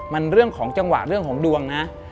มันเรื่องของจังหวะเรื่องของดวงนะ